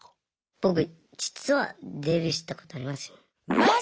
僕実はデビューしたことありますよ。